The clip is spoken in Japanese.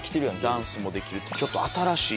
ダンスもできるちょっと新しい。